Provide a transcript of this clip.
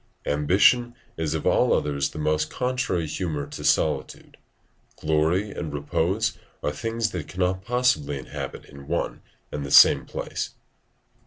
Ambition is of all others the most contrary humour to solitude; glory and repose are things that cannot possibly inhabit in one and the same place.